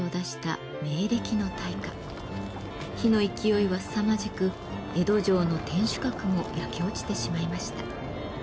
火の勢いはすさまじく江戸城の天守閣も焼け落ちてしまいました。